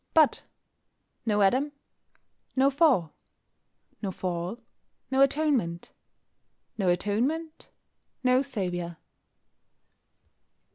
But no Adam, no Fall; no Fall, no Atonement; no Atonement, no Saviour.